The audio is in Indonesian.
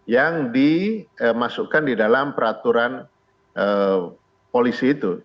yang dimasukkan di dalam peraturan polisi itu